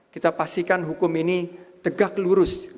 kita pastikan hukum ini tegak lurus